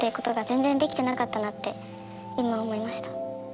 今思いました。